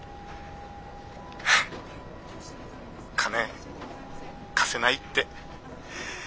金貸せないって。